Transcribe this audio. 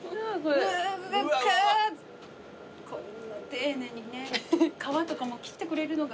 こんな丁寧にね皮とかも切ってくれるのが。